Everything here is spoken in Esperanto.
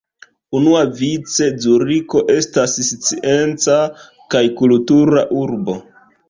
Unuavice Zuriko estas scienca kaj kultura urbo.